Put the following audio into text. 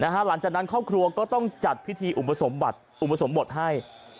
หลังจากนั้นครอบครัวก็ต้องจัดพิธีอุปสมบทอุปสมบทให้